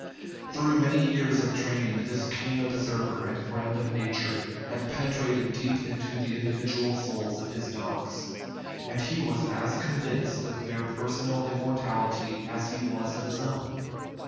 Through many years of training this keen observer and friend of nat ure had penetrated deep into the individual souls of his dogs, and he was as convinced of their personal immortality as he was of his own.